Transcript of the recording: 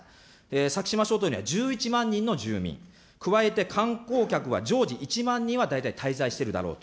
先島諸島には１１万人の住民、加えて観光客は常時１万人は大体滞在しているだろうと。